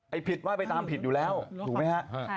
ผิดว่าไปตามผิดอยู่แล้วถูกไหมฮะ